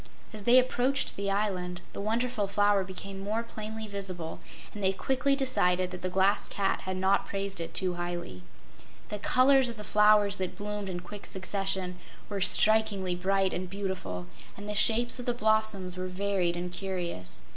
As they approached the island, the Wonderful Flower became more plainly visible, and they quickly decided that the Glass Cat had not praised it too highly. The colors of the flowers that bloomed in quick succession were strikingly bright and beautiful, and the shapes of the blossoms were varied and curious.